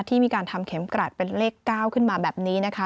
ที่มีการทำเข็มกราดเป็นเลข๙ขึ้นมาแบบนี้นะคะ